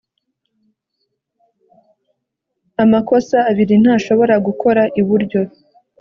amakosa abiri ntashobora gukora iburyo